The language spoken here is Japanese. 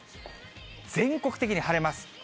全国的に晴れます。